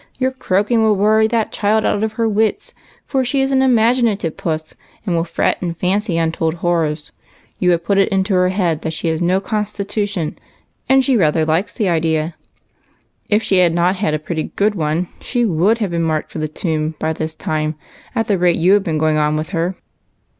"Your croaking will worry that child out of her wits, for she is an imaginative puss, and will fret and fancy untold horrors. You have put it into her head that she has no constitution, and she rather likes the idea. If she had not had a pretty good one, she would have been ' marked for the tomb ' by this time, at the rate you have been going on with her.